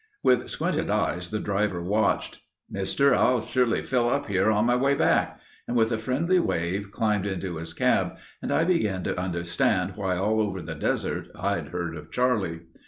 With squinted eyes the driver watched. "Mister, I'll surely fill up here on my way back," and with a friendly wave, climbed into his cab and I began to understand why all over the desert I'd heard of Charlie.